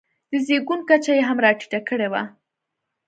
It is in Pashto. د زېږون کچه یې هم راټیټه کړې وي.